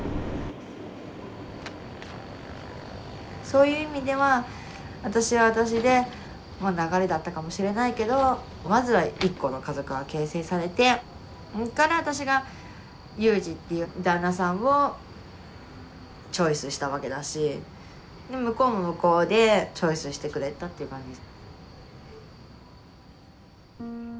そういう意味では私は私で流れだったかもしれないけどまずは一個の家族が形成されてそれから私が雄次っていう旦那さんをチョイスしたわけだし向こうも向こうでチョイスしてくれたっていう感じ。